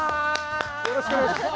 よろしくお願いします。